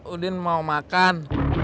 udin mau makan